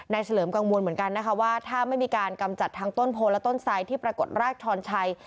เฉลิมกังวลเหมือนกันนะคะว่าถ้าไม่มีการกำจัดทั้งต้นโพและต้นไซดที่ปรากฏรากชอนชัย